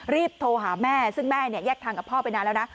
รีบโทรหาแม่ซึ่งแม่เนี่ยแยกทางกับพ่อไปนานแล้วนะ